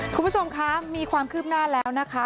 คุณผู้ชมคะมีความคืบหน้าแล้วนะคะ